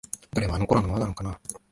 どれもあの頃のままなのかな？